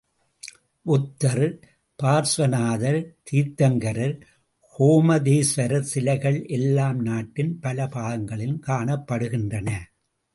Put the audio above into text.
புத்தர், பார்ஸ்வநாதர், தீர்த்தங்கரர், கோமதேஸ்வரர் சிலைகள் எல்லாம் நாட்டின் பல பாகங்களில் காணப்படுகின்றன.